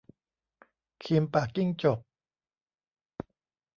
คีมปากจิ้งจก